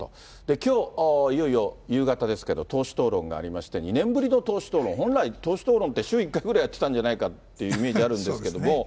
きょう、いよいよ夕方ですけど、党首討論がありまして、２年ぶりの党首討論。本来、党首討論って週１回ぐらいやってたんじゃないかっていうイメージあるんですけれども。